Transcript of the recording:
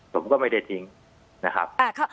ผมก็ไม่ได้ทิ้งนะครับ